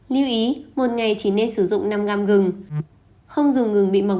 lưu ý một ngày chỉ nên sử dụng năm gam gừng